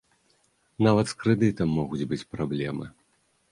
Нават з крэдытам могуць быць праблемы.